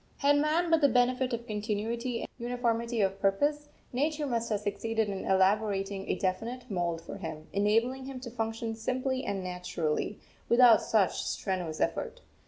Had man but the benefit of continuity and uniformity of purpose, Nature must have succeeded in elaborating a definite mould for him, enabling him to function simply and naturally, without such strenuous effort.